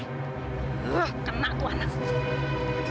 kena kau anak